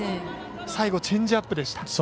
最後チェンジアップでした。